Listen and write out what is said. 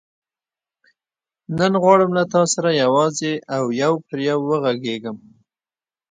نن غواړم له تا سره یوازې او یو پر یو وغږېږم.